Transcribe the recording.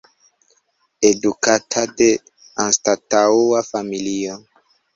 Edukata de anstataŭa familio.